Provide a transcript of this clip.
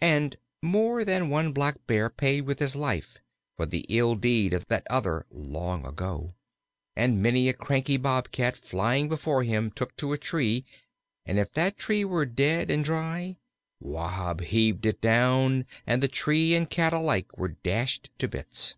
And more than one Blackbear paid with his life for the ill deed of that other, long ago. And many a cranky Bobcat flying before him took to a tree, and if that tree were dead and dry, Wahb heaved it down, and tree and Cat alike were dashed to bits.